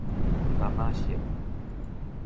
柑仔色